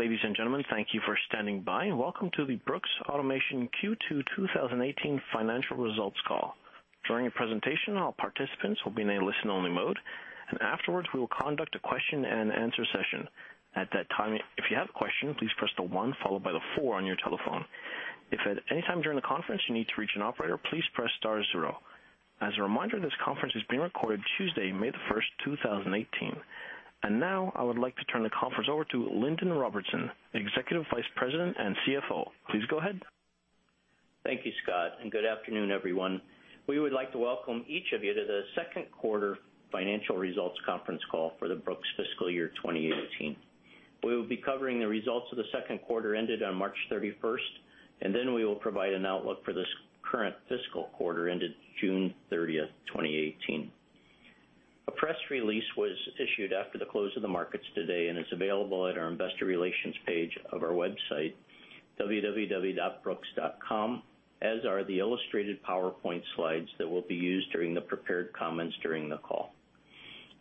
Ladies and gentlemen, thank you for standing by and welcome to the Brooks Automation Q2 2018 financial results call. During the presentation, all participants will be in a listen-only mode. Afterwards, we will conduct a question-and-answer session. At that time, if you have a question, please press the one followed by the four on your telephone. If at any time during the conference you need to reach an operator, please press star zero. As a reminder, this conference is being recorded Tuesday, May the 1st, 2018. Now I would like to turn the conference over to Lindon Robertson, Executive Vice President and CFO. Please go ahead. Thank you, Scott. Good afternoon, everyone. We would like to welcome each of you to the second quarter financial results conference call for the Brooks fiscal year 2018. We will be covering the results of the second quarter ended on March 31st. Then we will provide an outlook for this current fiscal quarter ended June 30th, 2018. A press release was issued after the close of the markets today and is available on our investor relations page of our website, www.brooks.com, as are the illustrated PowerPoint slides that will be used during the prepared comments during the call.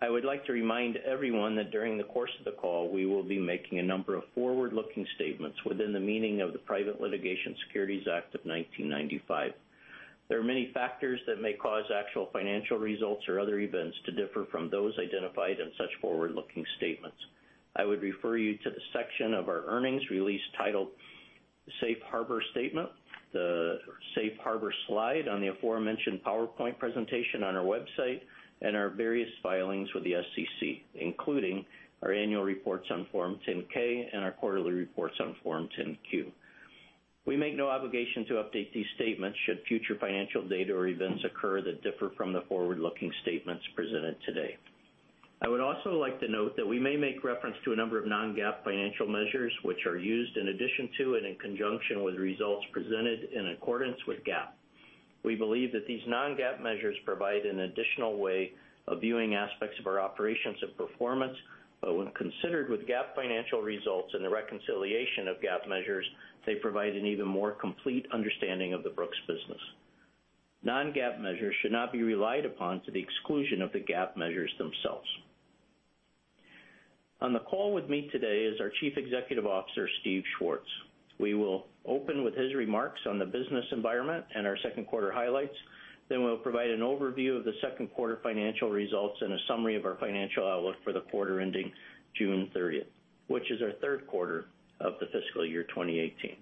I would like to remind everyone that during the course of the call, we will be making a number of forward-looking statements within the meaning of the Private Securities Litigation Reform Act of 1995. There are many factors that may cause actual financial results or other events to differ from those identified in such forward-looking statements. I would refer you to the section of our earnings release titled Safe Harbor Statement, the Safe Harbor slide on the aforementioned PowerPoint presentation on our website, and our various filings with the SEC, including our annual reports on Form 10-K and our quarterly reports on Form 10-Q. We make no obligation to update these statements should future financial data or events occur that differ from the forward-looking statements presented today. I would also like to note that we may make reference to a number of non-GAAP financial measures, which are used in addition to and in conjunction with results presented in accordance with GAAP. We believe that these non-GAAP measures provide an additional way of viewing aspects of our operations and performance, but when considered with GAAP financial results and the reconciliation of GAAP measures, they provide an even more complete understanding of the Brooks business. Non-GAAP measures should not be relied upon to the exclusion of the GAAP measures themselves. On the call with me today is our Chief Executive Officer, Stephen Schwartz. We will open with his remarks on the business environment and our second quarter highlights. We'll provide an overview of the second quarter financial results and a summary of our financial outlook for the quarter ending June 30th, which is our third quarter of the fiscal year 2018.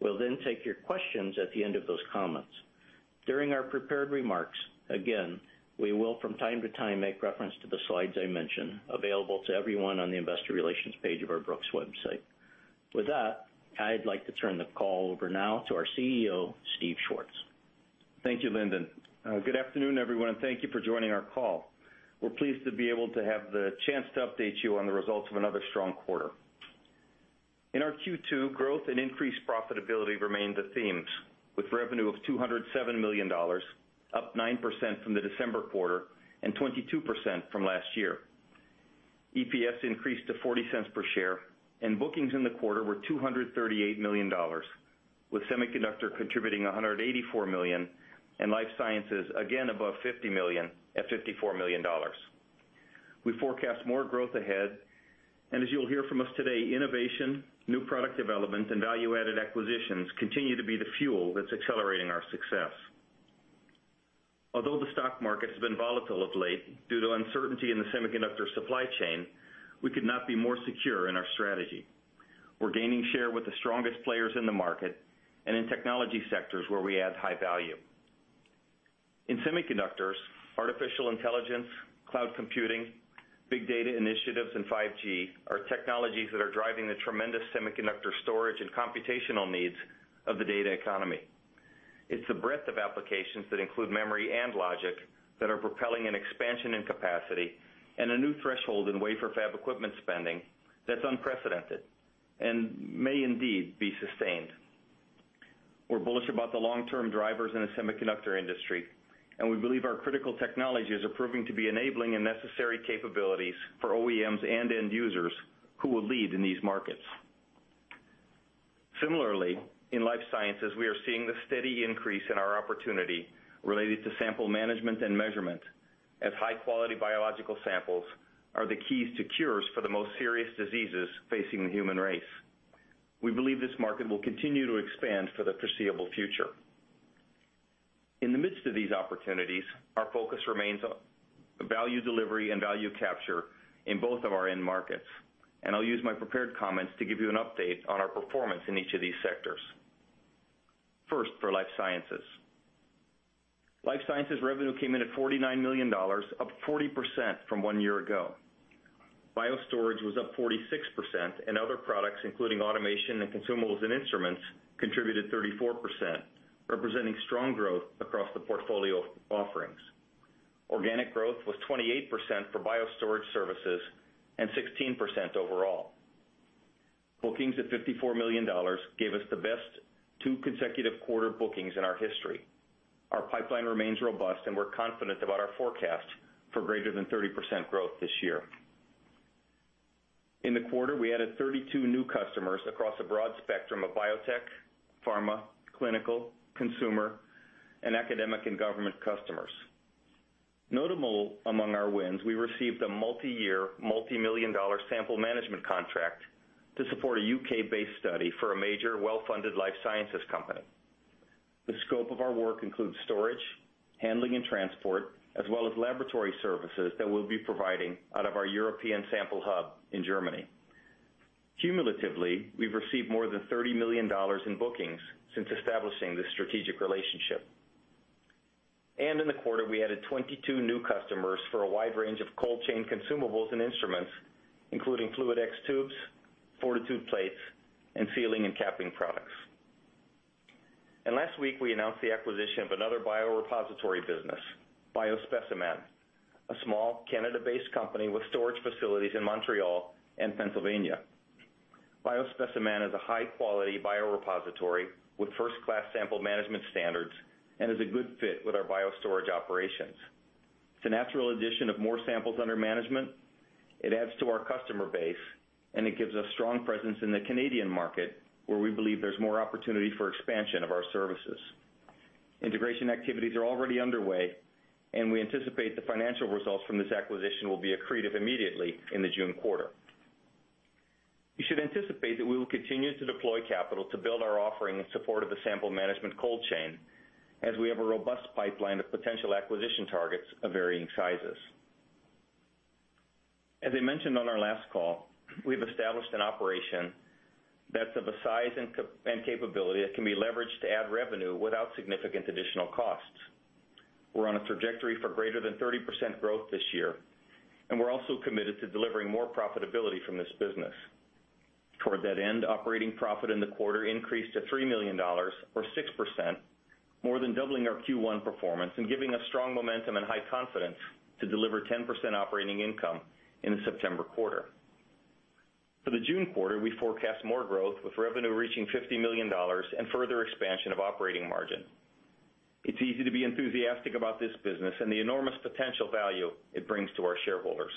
We'll take your questions at the end of those comments. During our prepared remarks, again, we will from time to time make reference to the slides I mentioned, available to everyone on the investor relations page of our Brooks website. With that, I'd like to turn the call over now to our CEO, Steve Schwartz. Thank you, Lindon. Good afternoon, everyone, thank you for joining our call. We're pleased to be able to have the chance to update you on the results of another strong quarter. In our Q2, growth and increased profitability remained the themes with revenue of $207 million, up 9% from the December quarter and 22% from last year. EPS increased to $0.40 per share, bookings in the quarter were $238 million, with Semiconductor contributing $184 million and Life Sciences again above $50 million, at $54 million. We forecast more growth ahead, as you'll hear from us today, innovation, new product development, and value-added acquisitions continue to be the fuel that's accelerating our success. Although the stock market's been volatile of late due to uncertainty in the semiconductor supply chain, we could not be more secure in our strategy. We're gaining share with the strongest players in the market in technology sectors where we add high value. In semiconductors, artificial intelligence, cloud computing, big data initiatives, 5G are technologies that are driving the tremendous semiconductor storage and computational needs of the data economy. It's the breadth of applications that include memory and logic that are propelling an expansion in capacity a new threshold in wafer fab equipment spending that's unprecedented and may indeed be sustained. We're bullish about the long-term drivers in the semiconductor industry, we believe our critical technologies are proving to be enabling and necessary capabilities for OEMs and end users who will lead in these markets. Similarly, in Life Sciences, we are seeing the steady increase in our opportunity related to sample management and measurement, as high-quality biological samples are the keys to cures for the most serious diseases facing the human race. We believe this market will continue to expand for the foreseeable future. In the midst of these opportunities, our focus remains on value delivery and value capture in both of our end markets, I'll use my prepared comments to give you an update on our performance in each of these sectors. First, for Life Sciences. Life Sciences revenue came in at $49 million, up 40% from one year ago. Bio storage was up 46%, other products, including automation and consumables and instruments, contributed 34%, representing strong growth across the portfolio offerings. Organic growth was 28% for bio storage services and 16% overall. Bookings at $54 million gave us the best two consecutive quarter bookings in our history. Our pipeline remains robust, and we're confident about our forecast for greater than 30% growth this year. In the quarter, we added 32 new customers across a broad spectrum of biotech, pharma, clinical, consumer, and academic and government customers. Notable among our wins, we received a multi-year, multimillion-dollar sample management contract to support a U.K.-based study for a major well-funded Life Sciences company. The scope of our work includes storage, handling, and transport, as well as laboratory services that we'll be providing out of our European sample hub in Germany. Cumulatively, we've received more than $30 million in bookings since establishing this strategic relationship. In the quarter, we added 22 new customers for a wide range of cold chain consumables and instruments, including FluidX tubes, Fortitude plates, and sealing and capping products. Last week, we announced the acquisition of another biorepository business, BioSpeciMan, a small Canada-based company with storage facilities in Montreal and Pennsylvania. BioSpeciMan is a high-quality biorepository with first-class sample management standards and is a good fit with our biostorage operations. It's a natural addition of more samples under management. It adds to our customer base, and it gives us strong presence in the Canadian market, where we believe there's more opportunity for expansion of our services. Integration activities are already underway, and we anticipate the financial results from this acquisition will be accretive immediately in the June quarter. You should anticipate that we will continue to deploy capital to build our offering in support of the sample management cold chain, as we have a robust pipeline of potential acquisition targets of varying sizes. As I mentioned on our last call, we've established an operation that's of a size and capability that can be leveraged to add revenue without significant additional costs. We're on a trajectory for greater than 30% growth this year, and we're also committed to delivering more profitability from this business. Toward that end, operating profit in the quarter increased to $3 million, or 6%, more than doubling our Q1 performance and giving us strong momentum and high confidence to deliver 10% operating income in the September quarter. For the June quarter, we forecast more growth, with revenue reaching $50 million and further expansion of operating margin. It's easy to be enthusiastic about this business and the enormous potential value it brings to our shareholders.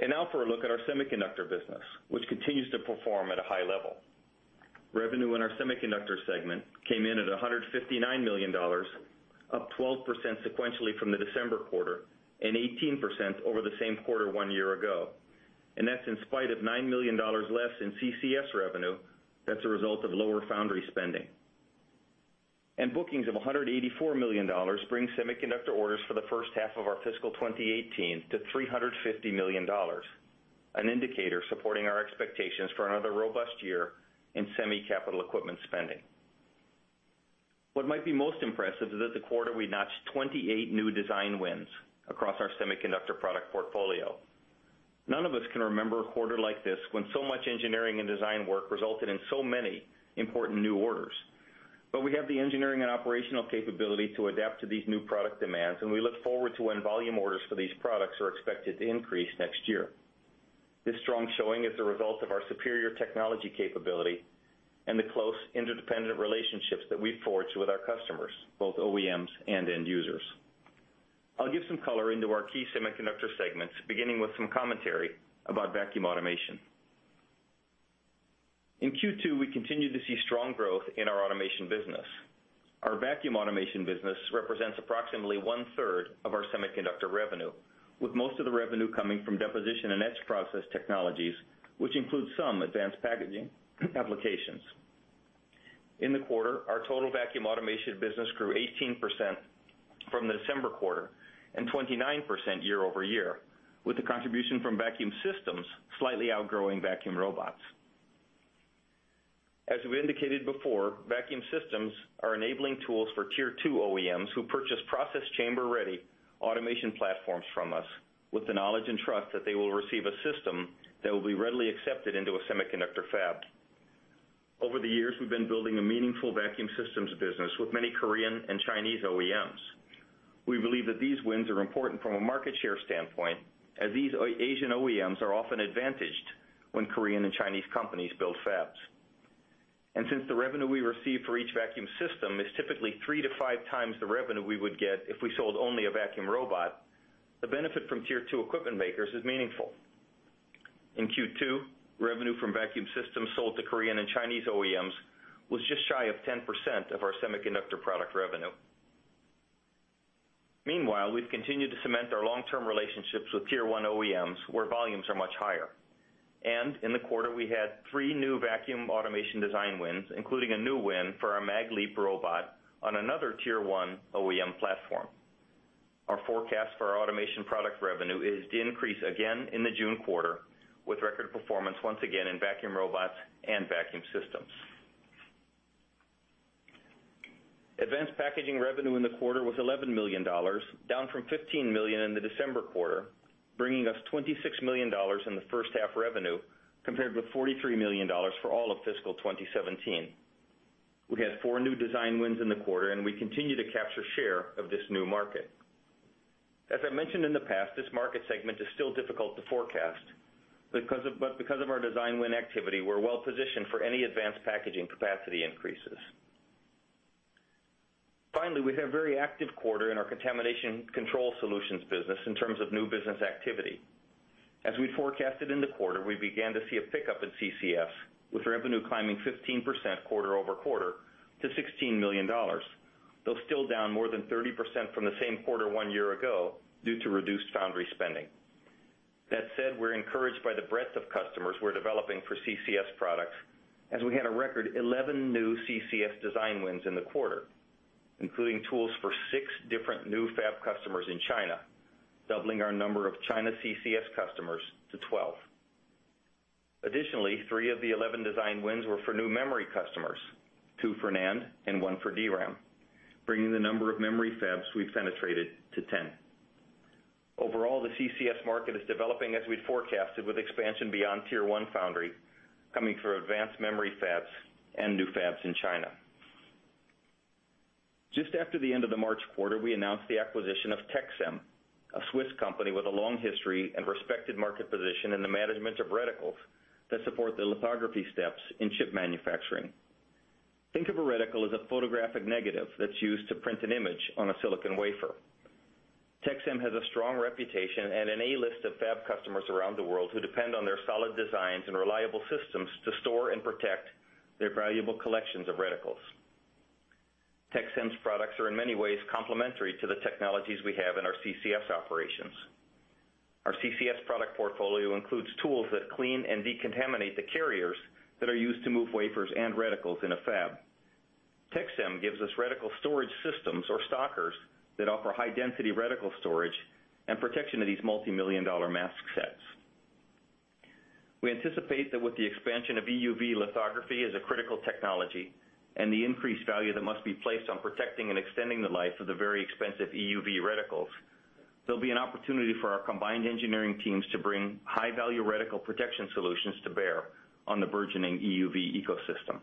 Now for a look at our Semiconductor business, which continues to perform at a high level. Revenue in our Semiconductor segment came in at $159 million, up 12% sequentially from the December quarter and 18% over the same quarter one year ago. That's in spite of $9 million less in CCS revenue, that's a result of lower foundry spending. Bookings of $184 million bring Semiconductor orders for the first half of our fiscal 2018 to $350 million, an indicator supporting our expectations for another robust year in semi capital equipment spending. What might be most impressive is that this quarter we notched 28 new design wins across our Semiconductor product portfolio. None of us can remember a quarter like this when so much engineering and design work resulted in so many important new orders. We have the engineering and operational capability to adapt to these new product demands, and we look forward to when volume orders for these products are expected to increase next year. This strong showing is a result of our superior technology capability and the close, interdependent relationships that we forge with our customers, both OEMs and end users. I'll give some color into our key Semiconductor segments, beginning with some commentary about vacuum automation. In Q2, we continued to see strong growth in our automation business. Our vacuum automation business represents approximately one-third of our Semiconductor revenue, with most of the revenue coming from deposition and etch process technologies, which include some advanced packaging applications. In the quarter, our total vacuum automation business grew 18% from the December quarter and 29% year-over-year, with the contribution from vacuum systems slightly outgrowing vacuum robots. As we've indicated before, vacuum systems are enabling tools for Tier 2 OEMs who purchase process chamber-ready automation platforms from us with the knowledge and trust that they will receive a system that will be readily accepted into a Semiconductor fab. Over the years, we've been building a meaningful vacuum systems business with many Korean and Chinese OEMs. We believe that these wins are important from a market share standpoint, as these Asian OEMs are often advantaged when Korean and Chinese companies build fabs. Since the revenue we receive for each vacuum system is typically three to five times the revenue we would get if we sold only a vacuum robot, the benefit from Tier 2 equipment makers is meaningful. In Q2, revenue from vacuum systems sold to Korean and Chinese OEMs was just shy of 10% of our Semiconductor product revenue. Meanwhile, we've continued to cement our long-term relationships with Tier 1 OEMs, where volumes are much higher. In the quarter, we had three new vacuum automation design wins, including a new win for our MagnaLEAP robot on another Tier 1 OEM platform. Our forecast for our automation product revenue is to increase again in the June quarter, with record performance once again in vacuum robots and vacuum systems. Advanced packaging revenue in the quarter was $11 million, down from $15 million in the December quarter, bringing us $26 million in the first half revenue, compared with $43 million for all of fiscal 2017. We had four new design wins in the quarter, and we continue to capture share of this new market. As I mentioned in the past, this market segment is still difficult to forecast. Because of our design win activity, we're well positioned for any advanced packaging capacity increases. Finally, we had a very active quarter in our contamination control solutions business in terms of new business activity. As we forecasted in the quarter, we began to see a pickup in CCS, with revenue climbing 15% quarter-over-quarter to $16 million. Though still down more than 30% from the same quarter one year ago due to reduced foundry spending. That said, we're encouraged by the breadth of customers we're developing for CCS products, as we had a record 11 new CCS design wins in the quarter, including tools for six different new fab customers in China, doubling our number of China CCS customers to 12. Additionally, three of the 11 design wins were for new memory customers, two for NAND and one for DRAM, bringing the number of memory fabs we've penetrated to 10. Overall, the CCS market is developing as we'd forecasted, with expansion beyond tier 1 foundry coming through advanced memory fabs and new fabs in China. Just after the end of the March quarter, we announced the acquisition of Tec-Sem, a Swiss company with a long history and respected market position in the management of reticles that support the lithography steps in chip manufacturing. Think of a reticle as a photographic negative that's used to print an image on a silicon wafer. Tec-Sem has a strong reputation and an A-list of fab customers around the world who depend on their solid designs and reliable systems to store and protect their valuable collections of reticles. Tec-Sem's products are in many ways complementary to the technologies we have in our CCS operations. Our CCS product portfolio includes tools that clean and decontaminate the carriers that are used to move wafers and reticles in a fab. Tec-Sem gives us reticle storage systems or stockers that offer high-density reticle storage and protection of these multimillion-dollar mask sets. We anticipate that with the expansion of EUV lithography as a critical technology and the increased value that must be placed on protecting and extending the life of the very expensive EUV reticles, there'll be an opportunity for our combined engineering teams to bring high-value reticle protection solutions to bear on the burgeoning EUV ecosystem.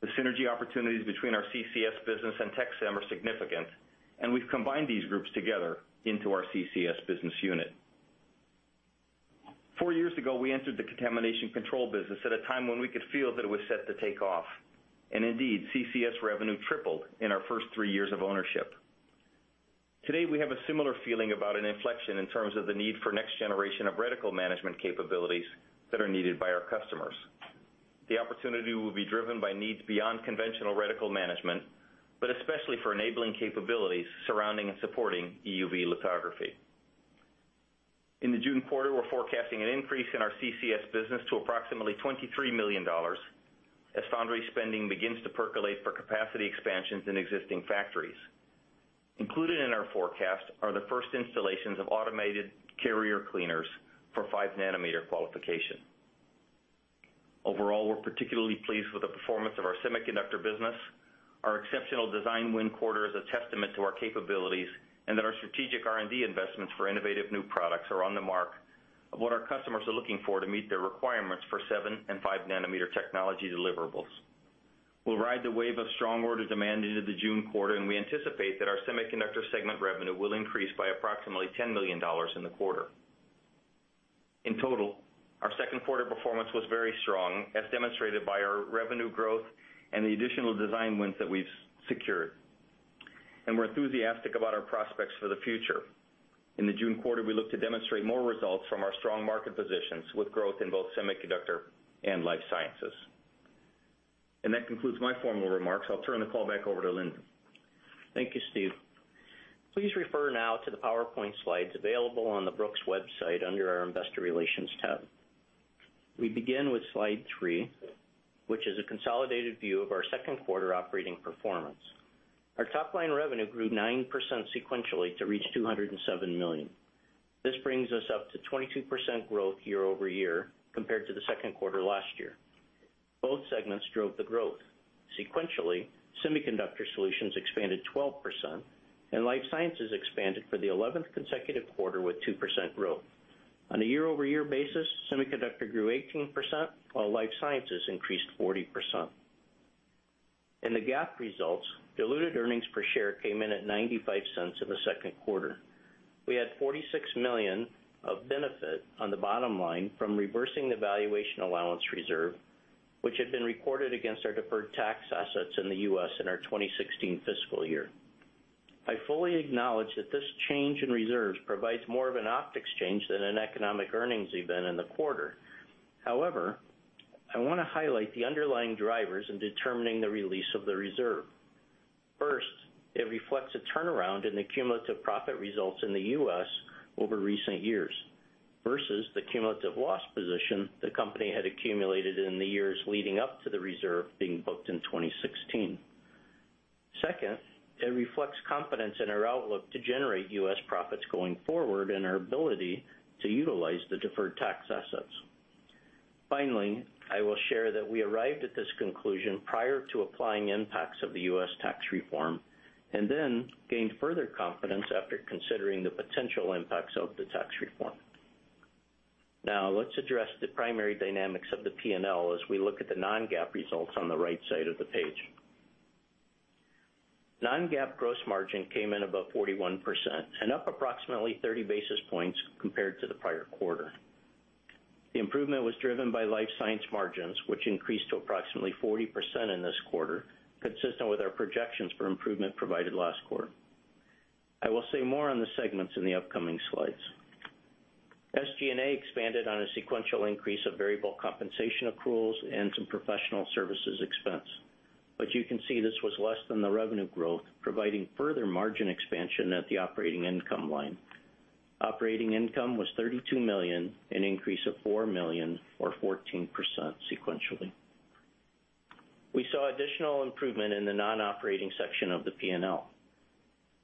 The synergy opportunities between our CCS business and Tec-Sem are significant, we've combined these groups together into our CCS business unit. Four years ago, we entered the contamination control business at a time when we could feel that it was set to take off, indeed, CCS revenue tripled in our first three years of ownership. Today, we have a similar feeling about an inflection in terms of the need for next generation of reticle management capabilities that are needed by our customers. The opportunity will be driven by needs beyond conventional reticle management, but especially for enabling capabilities surrounding and supporting EUV lithography. In the June quarter, we're forecasting an increase in our CCS business to approximately $23 million, as foundry spending begins to percolate for capacity expansions in existing factories. Included in our forecast are the first installations of automated carrier cleaners for 5-nanometer qualification. Overall, we're particularly pleased with the performance of our Semiconductor business. Our exceptional design win quarter is a testament to our capabilities that our strategic R&D investments for innovative new products are on the mark of what our customers are looking for to meet their requirements for 7 and 5-nanometer technology deliverables. We'll ride the wave of strong order demand into the June quarter, we anticipate that our Semiconductor segment revenue will increase by approximately $10 million in the quarter. In total, our second quarter performance was very strong, as demonstrated by our revenue growth and the additional design wins that we've secured. We're enthusiastic about our prospects for the future. In the June quarter, we look to demonstrate more results from our strong market positions with growth in both Semiconductor and Life Sciences. That concludes my formal remarks. I'll turn the call back over to Lindon. Thank you, Steve. Please refer now to the PowerPoint slides available on the Brooks website under our Investor Relations tab. We begin with Slide three, which is a consolidated view of our second quarter operating performance. Our top-line revenue grew 9% sequentially to reach $207 million. This brings us up to 22% growth year-over-year compared to the second quarter last year. Both segments drove the growth. Sequentially, Semiconductor Solutions expanded 12%, and Life Sciences expanded for the 11th consecutive quarter with 2% growth. On a year-over-year basis, Semiconductor grew 18%, while Life Sciences increased 40%. In the GAAP results, diluted earnings per share came in at $0.95 in the second quarter. We had $46 million of benefit on the bottom line from reversing the valuation allowance reserve, which had been recorded against our deferred tax assets in the U.S. in our 2016 fiscal year. I fully acknowledge that this change in reserves provides more of an optics change than an economic earnings event in the quarter. However, I want to highlight the underlying drivers in determining the release of the reserve. First, it reflects a turnaround in the cumulative profit results in the U.S. over recent years versus the cumulative loss position the company had accumulated in the years leading up to the reserve being booked in 2016. Second, it reflects confidence in our outlook to generate U.S. profits going forward and our ability to utilize the deferred tax assets. Finally, I will share that we arrived at this conclusion prior to applying impacts of the U.S. tax reform, and then gained further confidence after considering the potential impacts of the tax reform. Now, let's address the primary dynamics of the P&L as we look at the non-GAAP results on the right side of the page. Non-GAAP gross margin came in above 41% and up approximately 30 basis points compared to the prior quarter. The improvement was driven by Life Sciences margins, which increased to approximately 40% in this quarter, consistent with our projections for improvement provided last quarter. I will say more on the segments in the upcoming slides. SG&A expanded on a sequential increase of variable compensation accruals and some professional services expense. You can see this was less than the revenue growth, providing further margin expansion at the operating income line. Operating income was $32 million, an increase of $4 million or 14% sequentially. We saw additional improvement in the non-operating section of the P&L.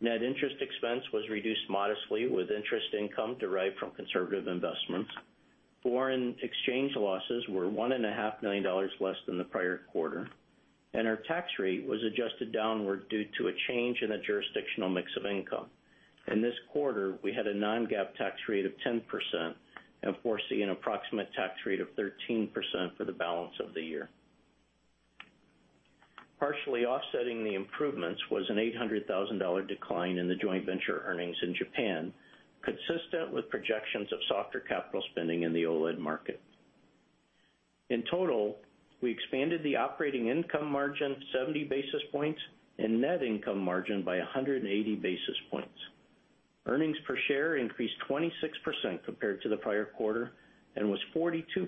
Net interest expense was reduced modestly with interest income derived from conservative investments. Foreign exchange losses were $1.5 million less than the prior quarter, and our tax rate was adjusted downward due to a change in the jurisdictional mix of income. In this quarter, we had a non-GAAP tax rate of 10% and foresee an approximate tax rate of 13% for the balance of the year. Partially offsetting the improvements was an $800,000 decline in the joint venture earnings in Japan, consistent with projections of softer capital spending in the OLED market. In total, we expanded the operating income margin 70 basis points and net income margin by 180 basis points. Earnings per share increased 26% compared to the prior quarter and was 42%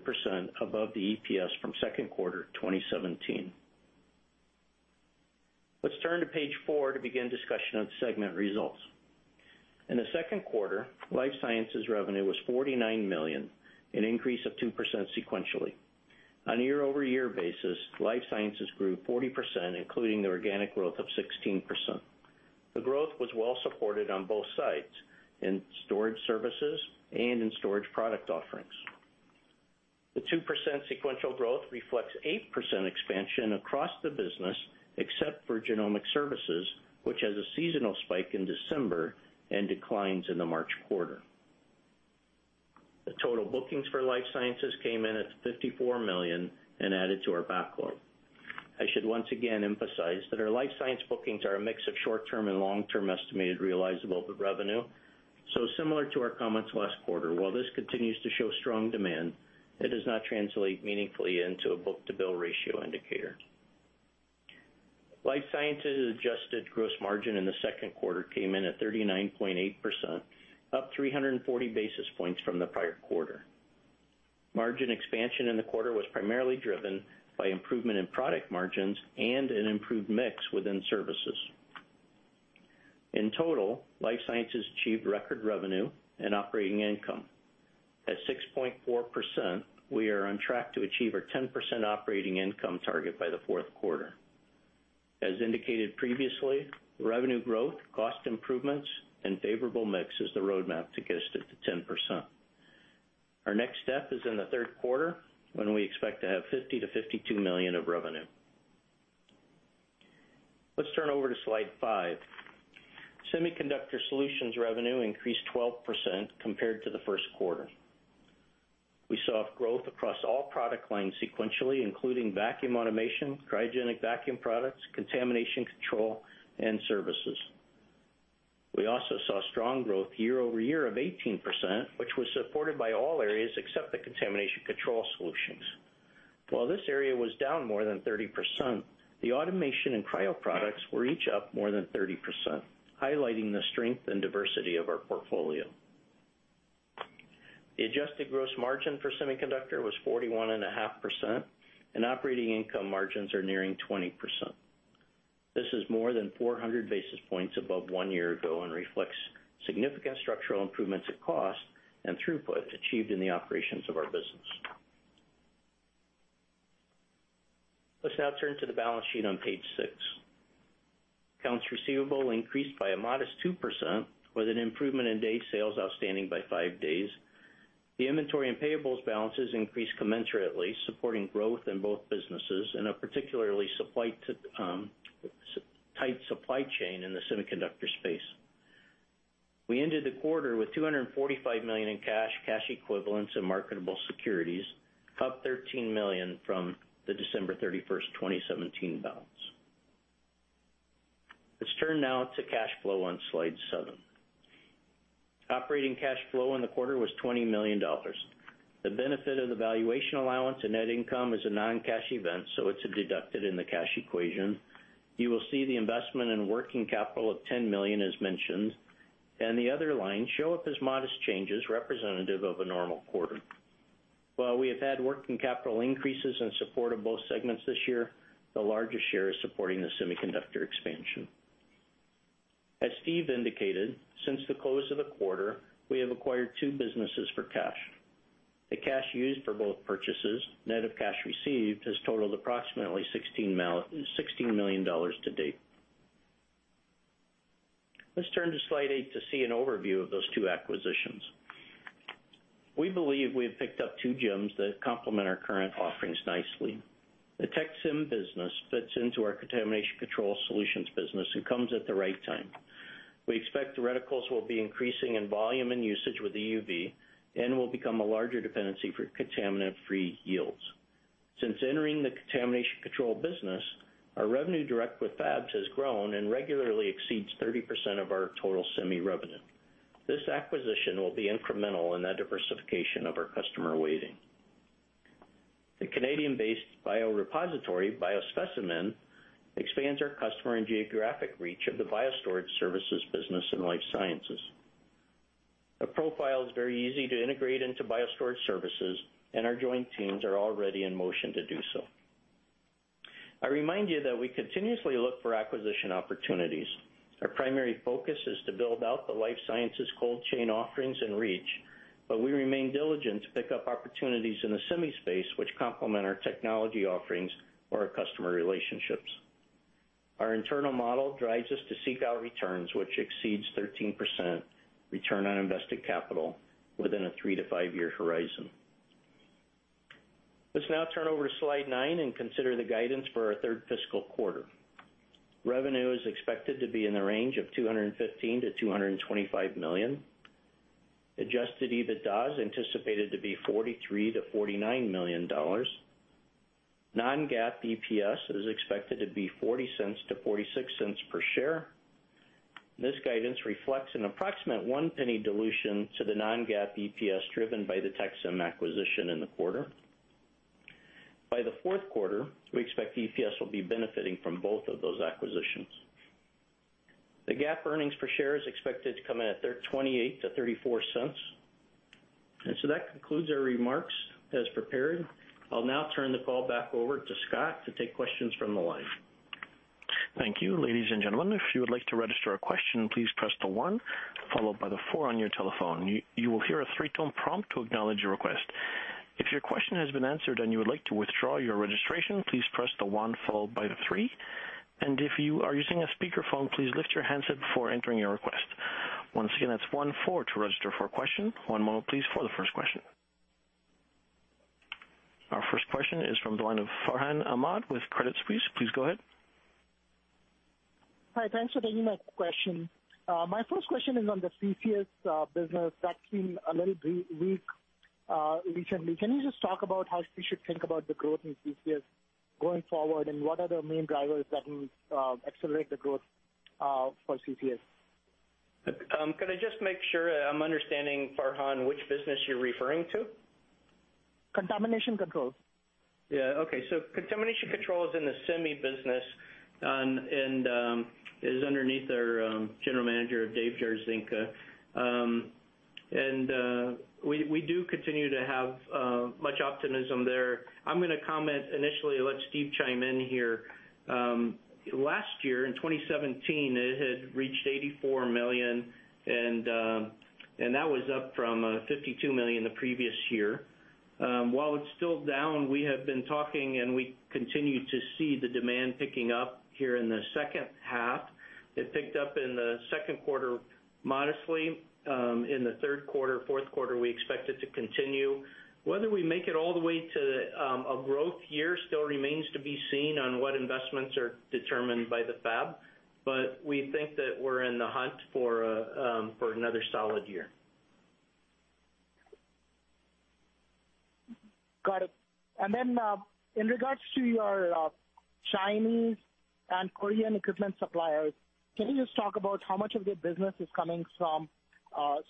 above the EPS from second quarter 2017. Let's turn to page four to begin discussion of segment results. In the second quarter, Life Sciences revenue was $49 million, an increase of 2% sequentially. On a year-over-year basis, Life Sciences grew 40%, including the organic growth of 16%. The growth was well supported on both sides, in storage services and in storage product offerings. The 2% sequential growth reflects 8% expansion across the business, except for genomic services, which has a seasonal spike in December and declines in the March quarter. The total bookings for Life Sciences came in at $54 million and added to our backlog. I should once again emphasize that our Life Sciences bookings are a mix of short-term and long-term estimated realizable revenue, similar to our comments last quarter, while this continues to show strong demand, it does not translate meaningfully into a book-to-bill ratio indicator. Life Sciences adjusted gross margin in the second quarter came in at 39.8%, up 340 basis points from the prior quarter. Margin expansion in the quarter was primarily driven by improvement in product margins and an improved mix within services. In total, Life Sciences achieved record revenue and operating income. At 6.4%, we are on track to achieve our 10% operating income target by the fourth quarter. As indicated previously, revenue growth, cost improvements, and favorable mix is the roadmap to get us to 10%. Our next step is in the third quarter when we expect to have $50 million to $52 million of revenue. Let's turn over to slide five. Semiconductor Solutions revenue increased 12% compared to the first quarter. We saw growth across all product lines sequentially, including vacuum automation, cryogenic vacuum products, contamination control, and services. We also saw strong growth year-over-year of 18%, which was supported by all areas except the contamination control solutions. While this area was down more than 30%, the automation and cryo products were each up more than 30%, highlighting the strength and diversity of our portfolio. The adjusted gross margin for Semiconductor was 41.5%, and operating income margins are nearing 20%. This is more than 400 basis points above one year ago and reflects significant structural improvements in cost and throughput achieved in the operations of our business. Let's now turn to the balance sheet on page six. Accounts receivable increased by a modest 2% with an improvement in day sales outstanding by five days. The inventory and payables balances increased commensurately, supporting growth in both businesses in a particularly tight supply chain in the Semiconductor space. We ended the quarter with $245 million in cash equivalents, and marketable securities, up $13 million from the December 31st, 2017 balance. Let's turn now to cash flow on slide seven. Operating cash flow in the quarter was $20 million. The benefit of the valuation allowance and net income is a non-cash event, so it's deducted in the cash equation. You will see the investment in working capital of $10 million as mentioned, and the other lines show up as modest changes representative of a normal quarter. While we have had working capital increases in support of both segments this year, the largest share is supporting the Semiconductor expansion. As Steve indicated, since the close of the quarter, we have acquired two businesses for cash. The cash used for both purchases, net of cash received, has totaled approximately $16 million to date. Let's turn to slide eight to see an overview of those two acquisitions. We believe we have picked up two gems that complement our current offerings nicely. The Tec-Sem business fits into our contamination control solutions business and comes at the right time. We expect the reticles will be increasing in volume and usage with EUV and will become a larger dependency for contaminant-free yields. Since entering the contamination control business, our revenue direct with fabs has grown and regularly exceeds 30% of our total semi revenue. This acquisition will be incremental in that diversification of our customer weighting. The Canadian-based biorepository, BioSpeciMan, expands our customer and geographic reach of the BioStorage Technologies business in Life Sciences. The profile is very easy to integrate into BioStorage Technologies, and our joint teams are already in motion to do so. I remind you that we continuously look for acquisition opportunities. Our primary focus is to build out the Life Sciences cold chain offerings and reach, but we remain diligent to pick up opportunities in the semi space, which complement our technology offerings or our customer relationships. Our internal model drives us to seek out returns, which exceeds 13% return on invested capital within a three- to five-year horizon. Let's now turn over to slide nine and consider the guidance for our third fiscal quarter. Revenue is expected to be in the range of $215 million-$225 million. Adjusted EBITDA is anticipated to be $43 million-$49 million. Non-GAAP EPS is expected to be $0.40-$0.46 per share. This guidance reflects an approximate $0.01 dilution to the Non-GAAP EPS driven by the Tec-Sem acquisition in the quarter. By the fourth quarter, we expect EPS will be benefiting from both of those acquisitions. The GAAP earnings per share is expected to come in at $0.28-$0.34. That concludes our remarks as prepared. I'll now turn the call back over to Scott to take questions from the line. Thank you. Ladies and gentlemen, if you would like to register a question, please press the one followed by the four on your telephone. You will hear a three-tone prompt to acknowledge your request. If your question has been answered and you would like to withdraw your registration, please press the one followed by the three. If you are using a speakerphone, please lift your handset before entering your request. Once again, that's one, four to register for a question. One moment please for the first question. Our first question is from the line of Farhan Ahmad with Credit Suisse. Please go ahead. Hi, thanks for taking my question. My first question is on the CCS business that's been a little weak recently. Can you just talk about how we should think about the growth in CCS going forward, and what are the main drivers that will accelerate the growth for CCS? Can I just make sure I'm understanding, Farhan, which business you're referring to? Contamination control. Yeah. Okay. Contamination control is in the semi business, and is underneath our General Manager, David Jarzynka. We do continue to have much optimism there. I'm going to comment initially and let Steve chime in here. Last year, in 2017, it had reached $84 million, and that was up from $52 million the previous year. While it's still down, we have been talking and we continue to see the demand picking up here in the second half. It picked up in the second quarter modestly. In the third quarter, fourth quarter, we expect it to continue. Whether we make it all the way to a growth year still remains to be seen on what investments are determined by the fab. We think that we're in the hunt for another solid year. Got it. Then, in regards to your Chinese and Korean equipment suppliers, can you just talk about how much of the business is coming from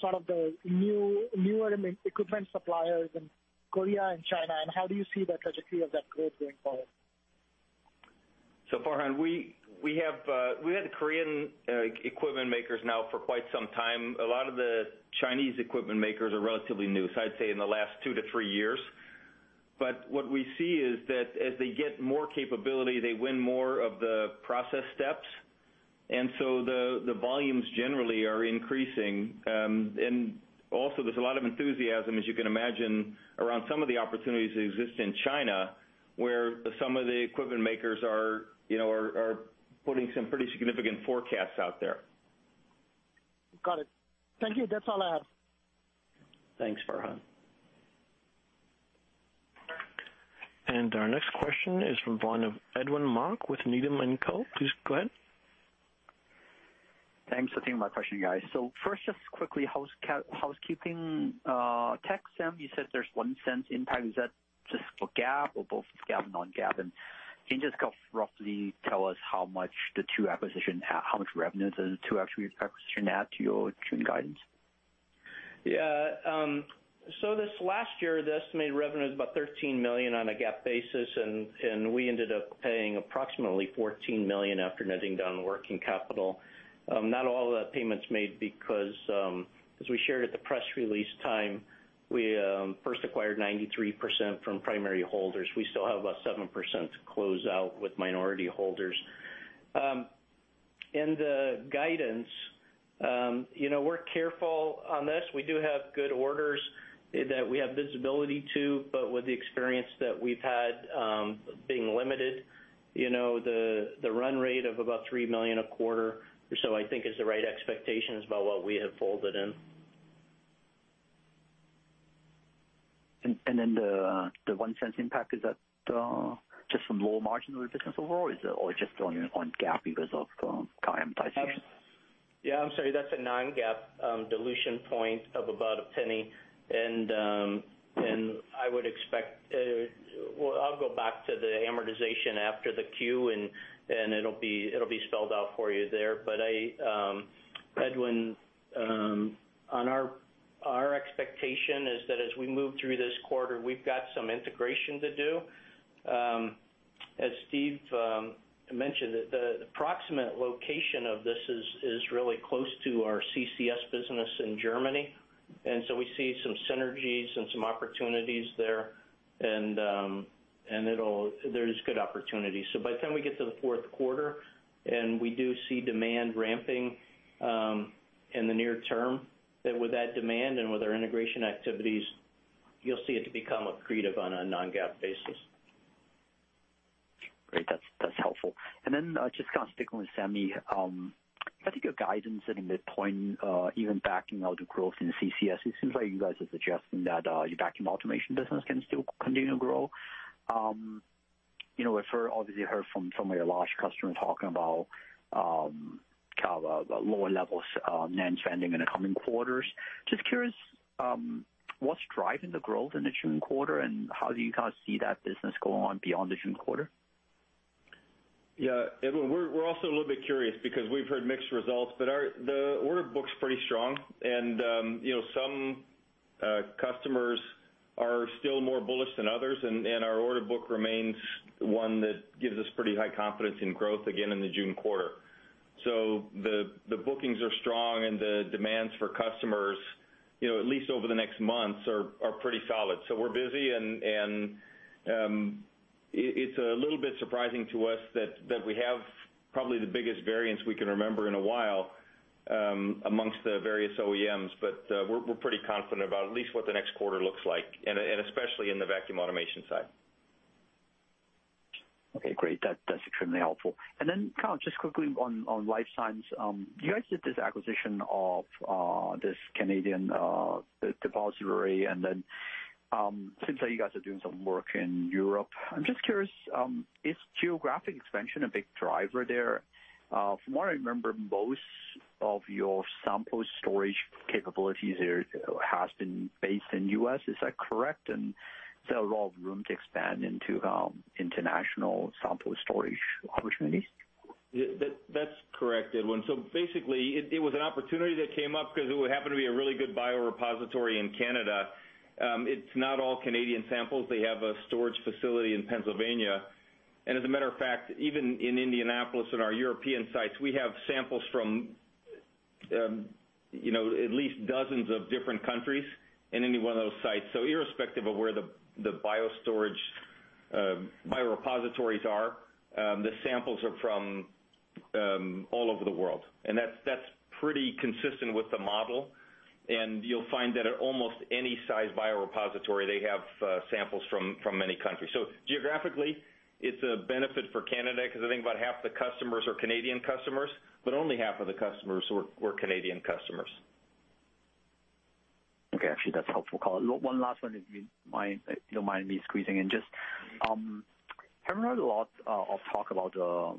sort of the newer equipment suppliers in Korea and China, and how do you see the trajectory of that growth going forward? Farhan, we had Korean equipment makers now for quite some time. A lot of the Chinese equipment makers are relatively new, so I'd say in the last two to three years. What we see is that as they get more capability, they win more of the process steps, the volumes generally are increasing. Also, there's a lot of enthusiasm, as you can imagine, around some of the opportunities that exist in China, where some of the equipment makers are putting some pretty significant forecasts out there. Got it. Thank you. That's all I have. Thanks, Farhan. Our next question is from the line of Edwin Mok with Needham & Company. Please go ahead. Thanks for taking my question, guys. First, just quickly, housekeeping. Tec-Sem, you said there's a $0.01 impact. Is that just for GAAP or both GAAP and non-GAAP? Can you just roughly tell us how much the two acquisition, how much revenue the two acquisition add to your June guidance? This last year, the estimated revenue was about $13 million on a GAAP basis, and we ended up paying approximately $14 million after netting down the working capital. Not all of that payment's made because, as we shared at the press release time, we first acquired 93% from primary holders. We still have about 7% to close out with minority holders. In the guidance, we're careful on this. We do have good orders that we have visibility to, but with the experience that we've had being limited, the run rate of about $3 million a quarter or so I think is the right expectation about what we have folded in. The $0.01 impact, is that just from lower margin of the business overall or just on GAAP because of the current valuation? Yeah. I'm sorry, that's a non-GAAP dilution point of about a penny. I'll go back to the amortization after the Q, and it'll be spelled out for you there. Edwin, our expectation is that as we move through this quarter, we've got some integration to do. As Steve mentioned, the approximate location of this is really close to our CCS business in Germany, and so we see some synergies and some opportunities there, and there's good opportunities. By the time we get to the fourth quarter and we do see demand ramping in the near term, that with that demand and with our integration activities, you'll see it become accretive on a non-GAAP basis. Great. That's helpful. Just kind of sticking with semi. I think your guidance at the midpoint, even backing out the growth in CCS, it seems like you guys are suggesting that your vacuum automation business can still continue to grow. We've obviously heard from some of your large customers talking about kind of lower levels of NAND spending in the coming quarters. Just curious, what's driving the growth in the June quarter, and how do you guys see that business go on beyond the June quarter? Yeah. Edwin, we're also a little bit curious because we've heard mixed results, but the order book's pretty strong and some customers are still more bullish than others, and our order book remains one that gives us pretty high confidence in growth again in the June quarter. The bookings are strong and the demands for customers, at least over the next months, are pretty solid. We're busy, and it's a little bit surprising to us that we have probably the biggest variance we can remember in a while amongst the various OEMs. We're pretty confident about at least what the next quarter looks like, and especially in the vacuum automation side. Okay, great. That's extremely helpful. Just kind of quickly on Life Sciences. You guys did this acquisition of this Canadian depository, and then it seems like you guys are doing some work in Europe. I'm just curious, is geographic expansion a big driver there? From what I remember, most of your sample storage capabilities has been based in the U.S., is that correct, and is there a lot of room to expand into international sample storage opportunities? That's correct, Edwin. Basically, it was an opportunity that came up because it happened to be a really good biorepository in Canada. It's not all Canadian samples. They have a storage facility in Pennsylvania. As a matter of fact, even in Indianapolis and our European sites, we have samples from at least dozens of different countries in any one of those sites. Irrespective of where the biorepositories are, the samples are from all over the world, and that's pretty consistent with the model. You'll find that at almost any size biorepository, they have samples from many countries. Geographically, it's a benefit for Canada because I think about half the customers are Canadian customers, but only half of the customers were Canadian customers. Okay. Actually, that's helpful. One last one, if you don't mind me squeezing in. Just, I've heard a lot of talk about the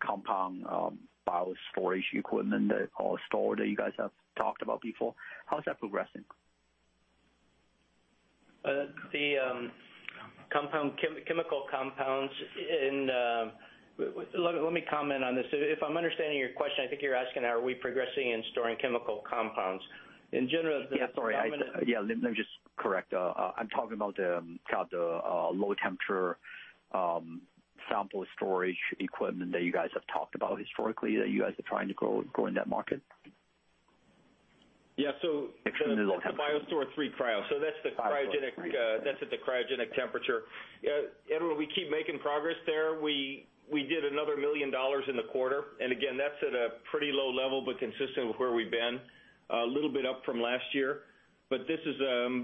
compound bio storage equipment or store that you guys have talked about before. How's that progressing? Let me comment on this. If I'm understanding your question, I think you're asking are we progressing in storing chemical compounds. In general- Yeah, sorry. Let me just correct. I'm talking about the low temperature sample storage equipment that you guys have talked about historically, that you guys are trying to grow in that market. Yeah. Excuse me. Low temperature. The BioStore III Cryo. That's at the cryogenic temperature. Yeah, Edwin, we keep making progress there. We did another $1 million in the quarter, again, that's at a pretty low level, but consistent with where we've been. A little bit up from last year. This is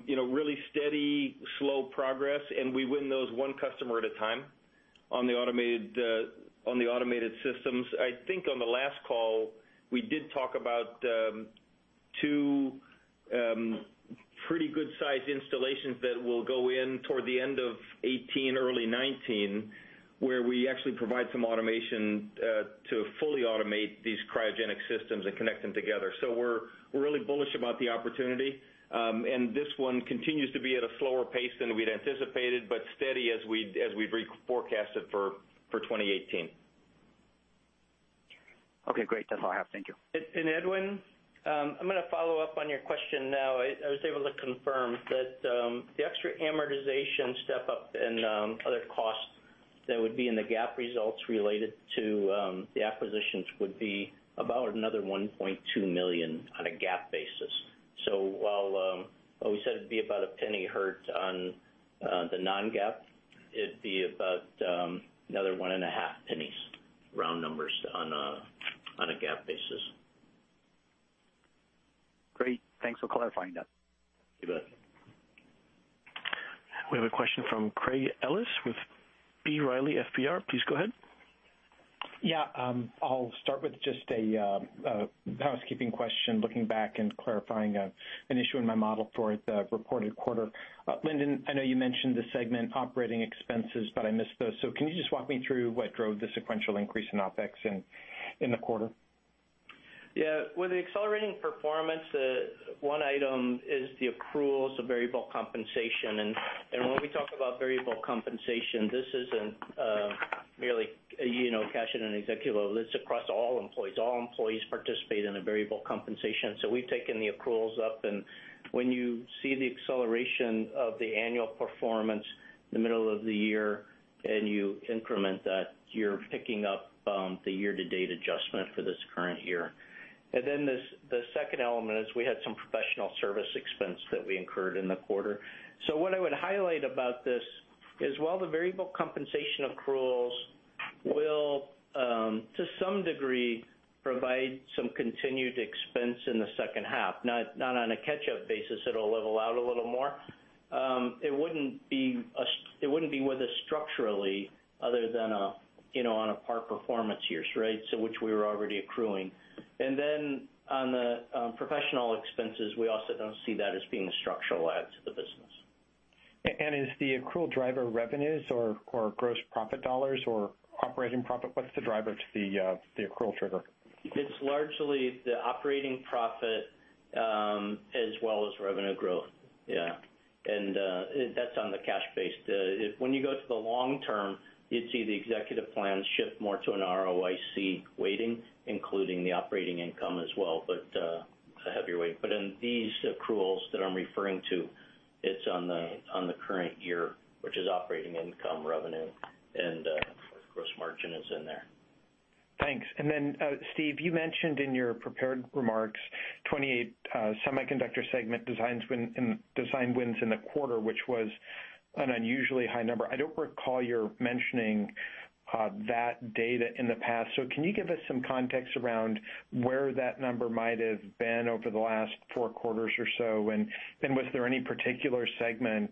really steady, slow progress, we win those one customer at a time on the automated systems. I think on the last call, we did talk about two pretty good size installations that will go in toward the end of 2018, early 2019, where we actually provide some automation to fully automate these cryogenic systems and connect them together. We're really bullish about the opportunity. This one continues to be at a slower pace than we'd anticipated, but steady as we'd reforecasted for 2018. Okay, great. That's all I have. Thank you. I'm going to follow up on your question now, Edwin. I was able to confirm that the extra amortization step-up and other costs that would be in the GAAP results related to the acquisitions would be about another $1.2 million on a GAAP basis. While we said it'd be about $0.01 hurt on the non-GAAP, it'd be about another $0.015, round numbers, on a GAAP basis. Great. Thanks for clarifying that. You bet. We have a question from Craig Ellis with B. Riley FBR. Please go ahead. I'll start with just a housekeeping question, looking back and clarifying an issue in my model for the reported quarter. Linden, I know you mentioned the segment operating expenses, but I missed those. Can you just walk me through what drove the sequential increase in OpEx in the quarter? Yeah. With the accelerating performance, one item is the accruals of variable compensation. When we talk about variable compensation, this isn't merely cash and an executive. Well, it's across all employees. All employees participate in a variable compensation. We've taken the accruals up, and when you see the acceleration of the annual performance in the middle of the year, and you increment that, you're picking up the year-to-date adjustment for this current year. The second element is we had some professional service expense that we incurred in the quarter. What I would highlight about this is, while the variable compensation accruals will, to some degree, provide some continued expense in the second half, not on a catch-up basis, it'll level out a little more. It wouldn't be with us structurally other than on a par performance years, right? Which we were already accruing. On the professional expenses, we also don't see that as being a structural add to the business. Is the accrual driver revenues or core gross profit dollars or operating profit? What's the driver to the accrual trigger? It's largely the operating profit, as well as revenue growth. Yeah. That's on the cash base. When you go to the long term, you'd see the executive plans shift more to an ROIC weighting, including the operating income as well, but a heavier weight. In these accruals that I'm referring to, it's on the current year, which is operating income revenue, and gross margin is in there. Thanks. Then, Steve, you mentioned in your prepared remarks 28 Semiconductor segment design wins in the quarter, which was an unusually high number. I don't recall your mentioning that data in the past. Can you give us some context around where that number might have been over the last four quarters or so? Then was there any particular segment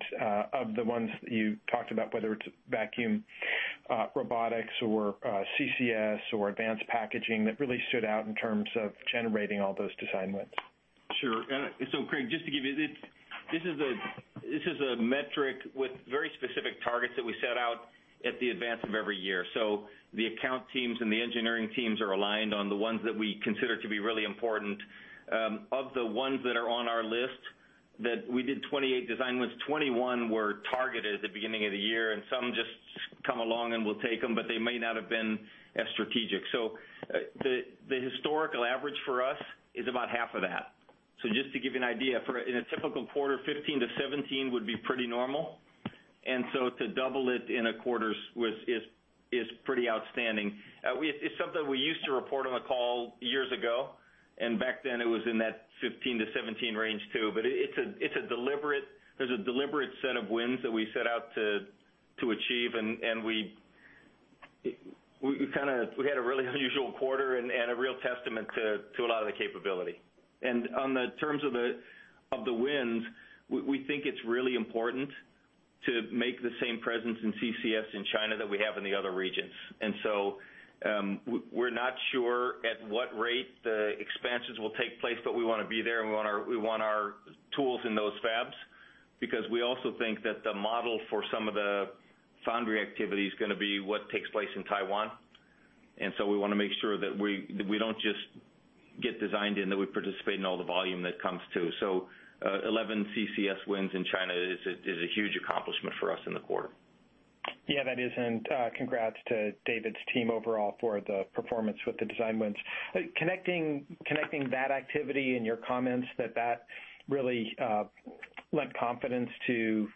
of the ones that you talked about, whether it's vacuum robotics or CCS or advanced packaging, that really stood out in terms of generating all those design wins? Sure. Craig, just to give you, this is a metric with very specific targets that we set out at the advance of every year. The account teams and the engineering teams are aligned on the ones that we consider to be really important. Of the ones that are on our list that we did 28 design wins, 21 were targeted at the beginning of the year, some just come along, and we'll take them, but they may not have been as strategic. The historical average for us is about half of that. Just to give you an idea, in a typical quarter, 15 to 17 would be pretty normal. To double it in a quarter is pretty outstanding. It's something we used to report on the call years ago, and back then, it was in that 15 to 17 range, too. There's a deliberate set of wins that we set out to achieve, we had a really unusual quarter and a real testament to a lot of the capability. On the terms of the wins, we think it's really important to make the same presence in CCS in China that we have in the other regions. We're not sure at what rate the expansions will take place, but we want to be there, and we want our tools in those fabs, because we also think that the model for some of the foundry activity is going to be what takes place in Taiwan. We want to make sure that we don't just get designed in, that we participate in all the volume that comes too. 11 CCS wins in China is a huge accomplishment for us in the quarter. Yeah, that is, congrats to David's team overall for the performance with the design wins. Connecting that activity and your comments that that really lent confidence to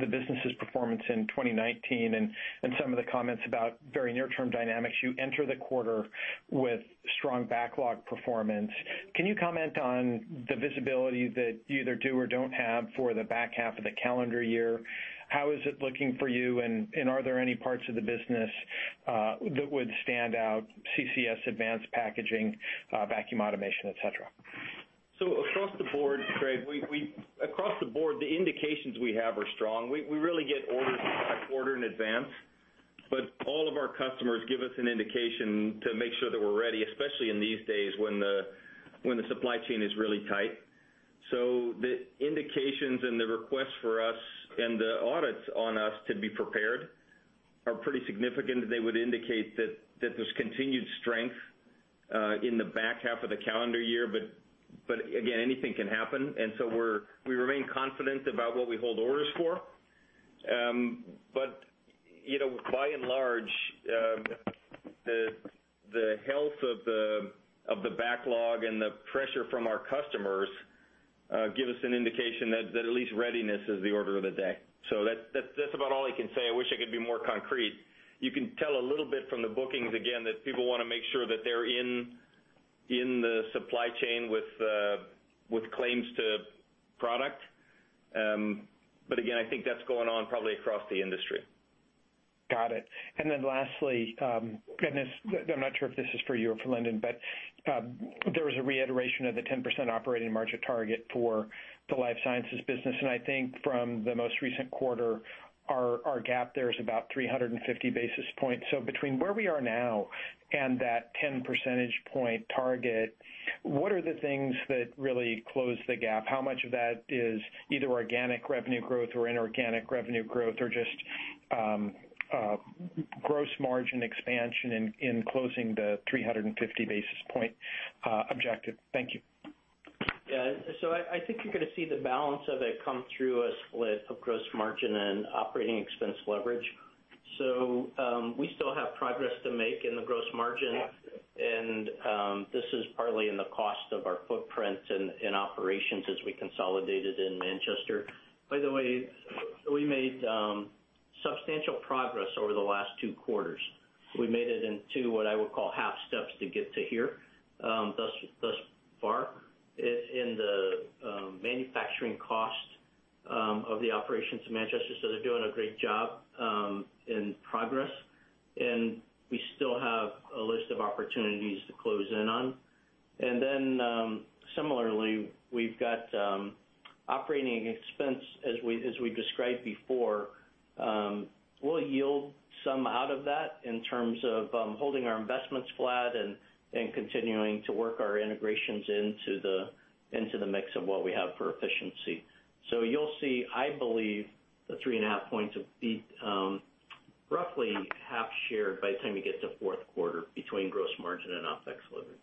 the business's performance in 2019 and some of the comments about very near-term dynamics. You enter the quarter with strong backlog performance. Can you comment on the visibility that you either do or don't have for the back half of the calendar year? How is it looking for you? Are there any parts of the business that would stand out, CCS, advanced packaging, vacuum automation, et cetera? Across the board, Craig, the indications we have are strong. We really get orders by quarter in advance. All of our customers give us an indication to make sure that we're ready, especially in these days when the supply chain is really tight. The indications and the requests for us and the audits on us to be prepared are pretty significant. They would indicate that there's continued strength in the back half of the calendar year. Again, anything can happen, we remain confident about what we hold orders for. By and large, the health of the backlog and the pressure from our customers give us an indication that at least readiness is the order of the day. That's about all I can say. I wish I could be more concrete. You can tell a little bit from the bookings again, that people want to make sure that they're in the supply chain with claims to product. Again, I think that's going on probably across the industry. Got it. Lastly, goodness, I'm not sure if this is for you or for Lindon, there was a reiteration of the 10% operating margin target for the Life Sciences business. I think from the most recent quarter, our GAAP there is about 350 basis points. Between where we are now and that 10 percentage point target, what are the things that really close the gap? How much of that is either organic revenue growth or inorganic revenue growth, or just Gross margin expansion in closing the 350 basis point objective. Thank you. I think you're going to see the balance of it come through a split of gross margin and operating expense leverage. We still have progress to make in the gross margin, and this is partly in the cost of our footprints and operations as we consolidated in Manchester. By the way, we made substantial progress over the last two quarters. We made it in two, what I would call half steps to get to here thus far in the manufacturing cost of the operations in Manchester. They're doing a great job in progress. We still have a list of opportunities to close in on. Similarly, we've got operating expense, as we described before. We'll yield some out of that in terms of holding our investments flat and continuing to work our integrations into the mix of what we have for efficiency. You'll see, I believe, the three and a half points will be roughly half shared by the time you get to fourth quarter between gross margin and OpEx leverage.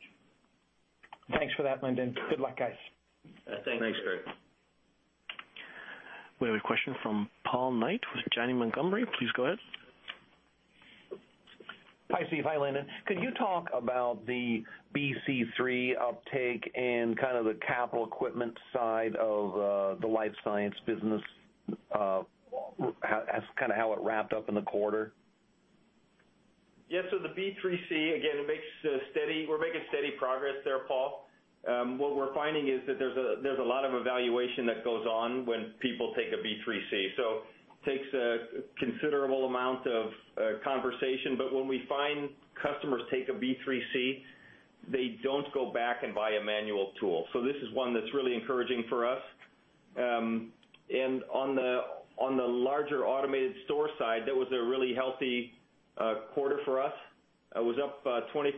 Thanks for that, Lindon. Good luck, guys. Thanks. Thanks, Craig. We have a question from Paul Knight with Janney Montgomery. Please go ahead. Hi, Steve. Hi, Linden. Could you talk about the B3C uptake and kind of the capital equipment side of the Life Sciences business, kind of how it wrapped up in the quarter? Yeah. The B3C, again, we're making steady progress there, Paul. What we're finding is that there's a lot of evaluation that goes on when people take a B3C, takes a considerable amount of conversation. When we find customers take a B3C, they don't go back and buy a manual tool. This is one that's really encouraging for us. On the larger automated store side, that was a really healthy quarter for us. It was up 25%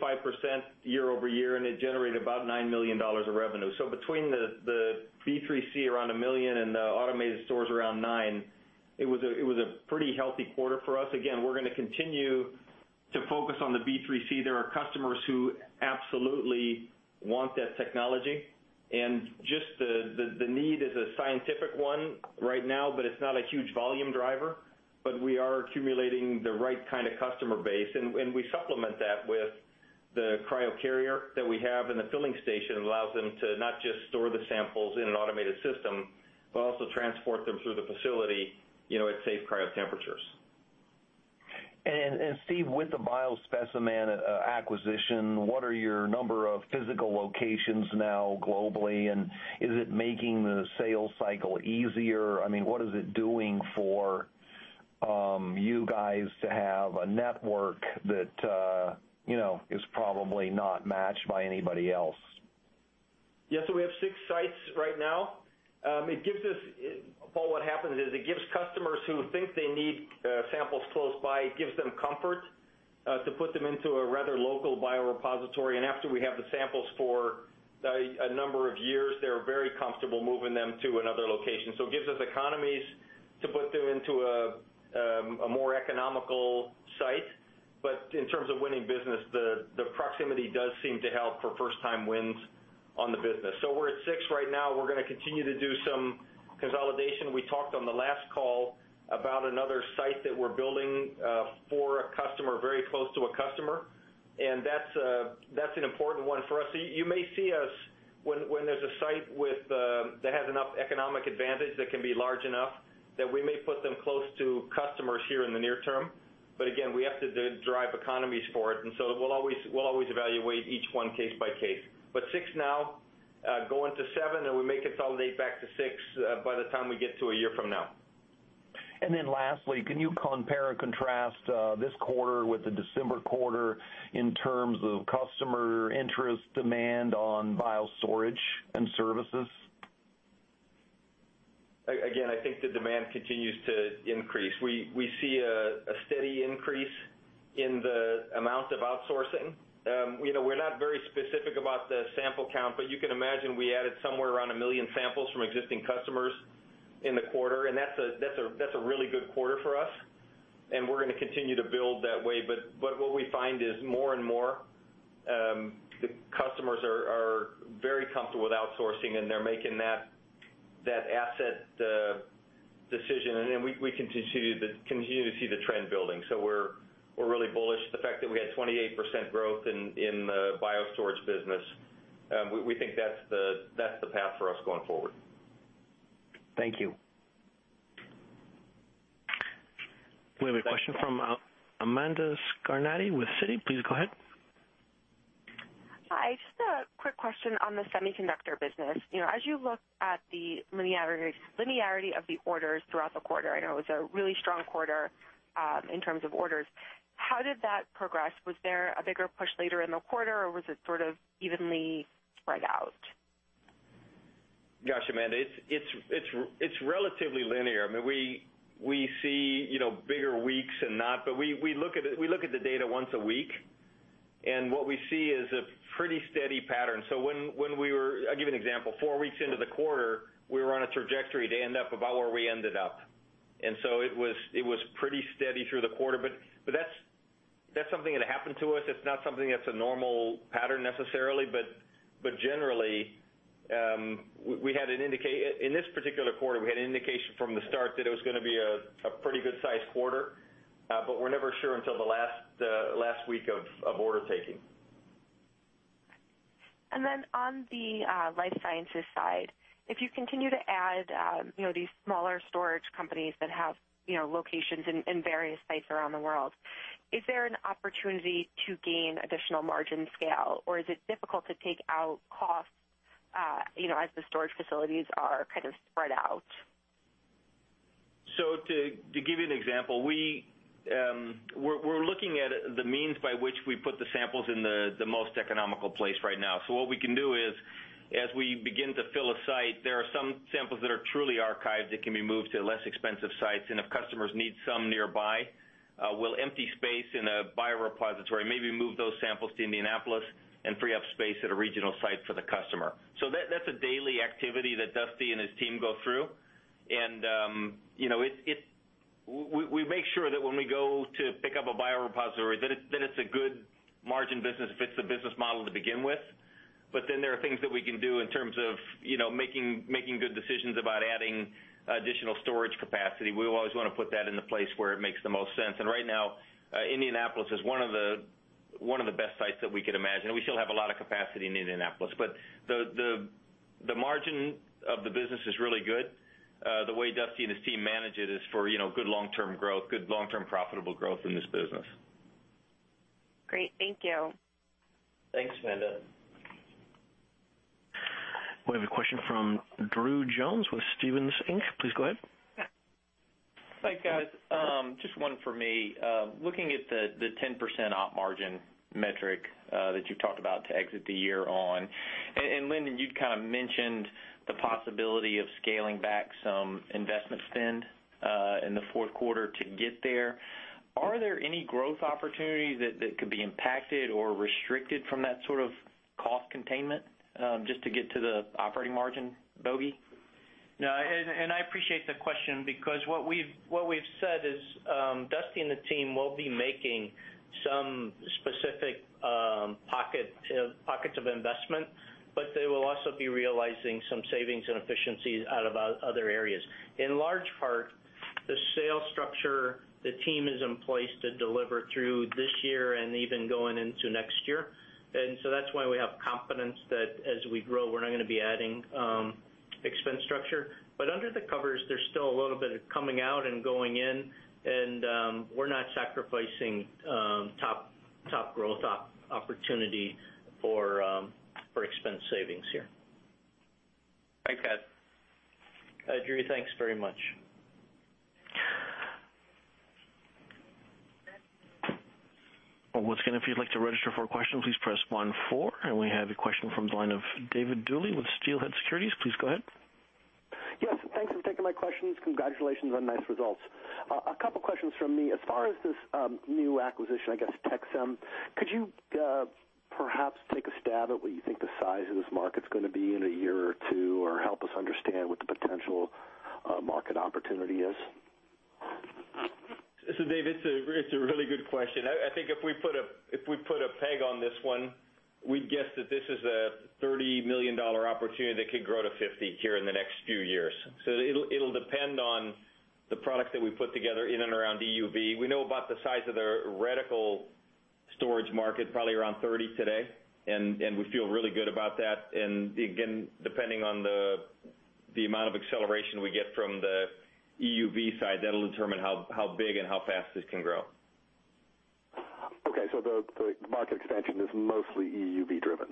year-over-year, and it generated about $9 million of revenue. Between the B3C, around $1 million, and the automated stores around $9 million, it was a pretty healthy quarter for us. Again, we're going to continue to focus on the B3C. There are customers who absolutely want that technology, and just the need is a scientific one right now, but it's not a huge volume driver. We are accumulating the right kind of customer base, and we supplement that with the Cryo Carrier that we have, and the filling station allows them to not just store the samples in an automated system, but also transport them through the facility at safe cryo temperatures. Steve, with the BioSpeciMan acquisition, what are your number of physical locations now globally, and is it making the sales cycle easier? I mean, what is it doing for you guys to have a network that is probably not matched by anybody else? We have six sites right now. Paul, what happens is, it gives customers who think they need samples close by, it gives them comfort to put them into a rather local biorepository. After we have the samples for a number of years, they're very comfortable moving them to another location. It gives us economies to put them into a more economical site. In terms of winning business, the proximity does seem to help for first time wins on the business. We're at six right now. We're going to continue to do some consolidation. We talked on the last call about another site that we're building for a customer, very close to a customer, that's an important one for us. You may see us when there's a site that has enough economic advantage that can be large enough, that we may put them close to customers here in the near term. Again, we have to drive economies for it, we'll always evaluate each one case by case. Six now, going to seven, we may consolidate back to six by the time we get to a year from now. Lastly, can you compare and contrast this quarter with the December quarter in terms of customer interest, demand on BioStorage and services? I think the demand continues to increase. We see a steady increase in the amount of outsourcing. We're not very specific about the sample count, you can imagine we added somewhere around 1 million samples from existing customers in the quarter, and that's a really good quarter for us, and we're going to continue to build that way. What we find is more and more, the customers are very comfortable with outsourcing and they're making that asset decision, and we continue to see the trend building. We're really bullish. The fact that we had 28% growth in the bio storage business, we think that's the path for us going forward. Thank you. We have a question from Amanda Scarnati with Citi. Please go ahead. Hi. Just a quick question on the Semiconductor business. As you look at the linearity of the orders throughout the quarter, I know it's a really strong quarter in terms of orders, how did that progress? Was there a bigger push later in the quarter, or was it sort of evenly spread out? Amanda, it's relatively linear. We see bigger weeks and not, we look at the data once a week. What we see is a pretty steady pattern. I'll give you an example. Four weeks into the quarter, we were on a trajectory to end up about where we ended up. It was pretty steady through the quarter. That's something that happened to us. It's not something that's a normal pattern necessarily. Generally, in this particular quarter, we had an indication from the start that it was going to be a pretty good sized quarter, we're never sure until the last week of order taking. On the Life Sciences side, if you continue to add these smaller storage companies that have locations in various sites around the world, is there an opportunity to gain additional margin scale, or is it difficult to take out costs as the storage facilities are kind of spread out? To give you an example, we're looking at the means by which we put the samples in the most economical place right now. What we can do is, as we begin to fill a site, there are some samples that are truly archived that can be moved to less expensive sites. If customers need some nearby, we'll empty space in a biorepository, maybe move those samples to Indianapolis and free up space at a regional site for the customer. That's a daily activity that Dusty and his team go through. We make sure that when we go to pick up a biorepository, that it's a good margin business if it's a business model to begin with. There are things that we can do in terms of making good decisions about adding additional storage capacity. We always want to put that in the place where it makes the most sense. Right now, Indianapolis is one of the best sites that we could imagine, and we still have a lot of capacity in Indianapolis. The margin of the business is really good. The way Dusty and his team manage it is for good long-term profitable growth in this business. Great. Thank you. Thanks, Amanda. We have a question from Drew Jones with Stephens Inc. Please go ahead. Thanks, guys. Just one from me. Looking at the 10% op margin metric that you talked about to exit the year on, Linden, you kind of mentioned the possibility of scaling back some investment spend in the fourth quarter to get there. Are there any growth opportunities that could be impacted or restricted from that sort of cost containment, just to get to the operating margin bogey? No, I appreciate the question because what we've said is, Dusty and the team will be making some specific pockets of investment, but they will also be realizing some savings and efficiencies out of other areas. In large part, the sales structure, the team is in place to deliver through this year and even going into next year. That's why we have confidence that as we grow, we're not going to be adding expense structure. Under the covers, there's still a little bit of coming out and going in, and we're not sacrificing top growth opportunity for expense savings here. Thanks, guys. Drew, thanks very much. Once again, if you'd like to register for a question, please press one, four. We have a question from the line of David Dooley with Steelhead Securities. Please go ahead. Yes. Thanks for taking my questions. Congratulations on nice results. A couple questions from me. As far as this new acquisition, I guess, Tec-Sem, could you perhaps take a stab at what you think the size of this market's going to be in a year or two, or help us understand what the potential market opportunity is? Dave, it's a really good question. I think if we put a peg on this one, we'd guess that this is a $30 million opportunity that could grow to $50 million here in the next few years. It'll depend on the products that we put together in and around EUV. We know about the size of their reticle storage market, probably around $30 million today, and we feel really good about that. Again, depending on the amount of acceleration we get from the EUV side, that'll determine how big and how fast this can grow. The market expansion is mostly EUV driven.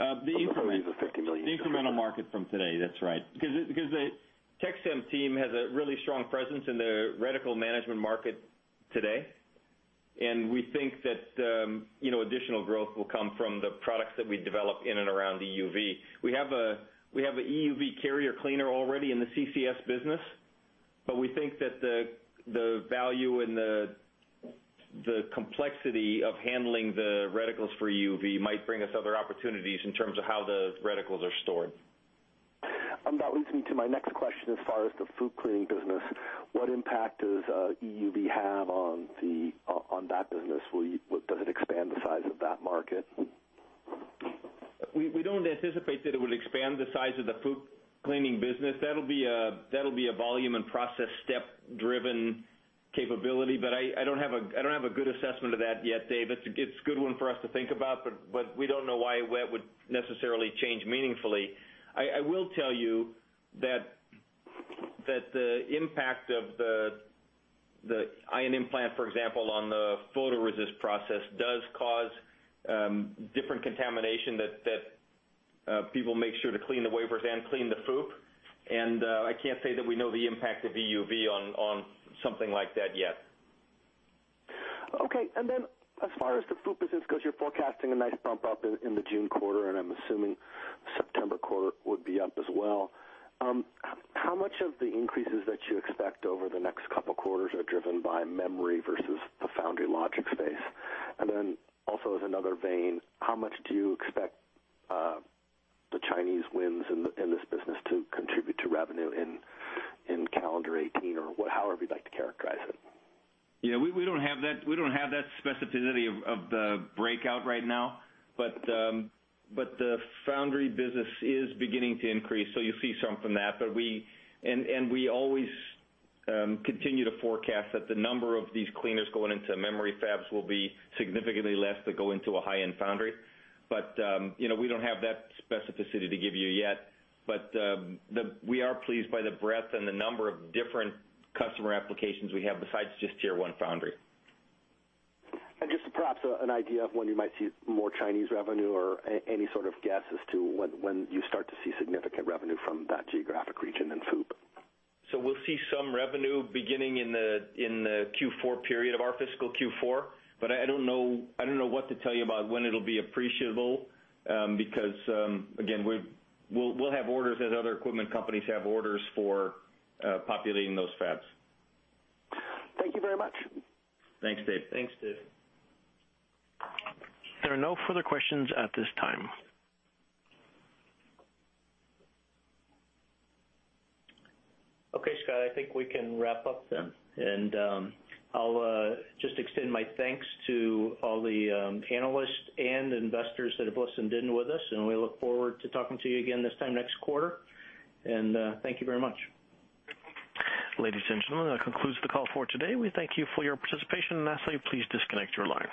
At least the $50 million. The incremental market from today, that's right. Because the Tec-Sem team has a really strong presence in the reticle management market today, and we think that additional growth will come from the products that we develop in and around EUV. We have a EUV carrier cleaner already in the CCS business, but we think that the value and the complexity of handling the reticles for EUV might bring us other opportunities in terms of how the reticles are stored. That leads me to my next question as far as the FOUP cleaning business. What impact does EUV have on that business? Does it expand the size of that market? We don't anticipate that it will expand the size of the FOUP cleaning business. That'll be a volume and process step-driven capability, but I don't have a good assessment of that yet, Dave. It's a good one for us to think about, but we don't know why that would necessarily change meaningfully. I will tell you that the impact of the ion implant, for example, on the photoresist process does cause different contamination that people make sure to clean the wafers and clean the FOUP. I can't say that we know the impact of EUV on something like that yet. As far as the FOUP business, because you're forecasting a nice bump up in the June quarter, and I'm assuming September quarter would be up as well. How much of the increases that you expect over the next couple quarters are driven by memory versus the foundry logic space? How much do you expect the Chinese wins in this business to contribute to revenue in calendar 2018, or however you'd like to characterize it? We don't have that specificity of the breakout right now, the foundry business is beginning to increase, so you'll see some from that. We always continue to forecast that the number of these cleaners going into memory fabs will be significantly less than go into a high-end foundry. We don't have that specificity to give you yet. We are pleased by the breadth and the number of different customer applications we have besides just tier 1 foundry. Just perhaps an idea of when you might see more Chinese revenue or any sort of guess as to when you start to see significant revenue from that geographic region in FOUP. We'll see some revenue beginning in the Q4 period of our fiscal Q4, I don't know what to tell you about when it'll be appreciable, because, again, we'll have orders as other equipment companies have orders for populating those fabs. Thank you very much. Thanks, Dave. Thanks, Dave. There are no further questions at this time. Scott, I think we can wrap up then. I'll just extend my thanks to all the analysts and investors that have listened in with us, and we look forward to talking to you again this time next quarter. Thank you very much. Ladies and gentlemen, that concludes the call for today. We thank you for your participation, and lastly, please disconnect your line.